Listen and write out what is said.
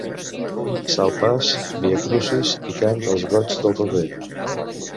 Salpàs, viacrucis i Cant dels goigs del Roser.